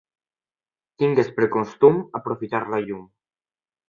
Tingues per costum aprofitar la llum.